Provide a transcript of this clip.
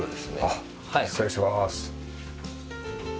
あっ失礼しまーす。